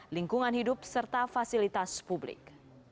lingkungan hidup serta fasilitas publik